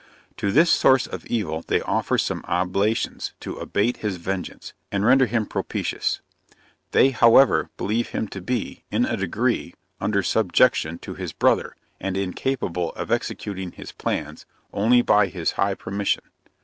To this source of evil they offer some oblations to abate his vengeance, and render him propitious. They, however, believe him to be, in a degree, under subjection to his brother, and incapable of executing his plans only by his high permission.